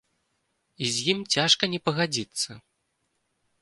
І з ім цяжка не пагадзіцца.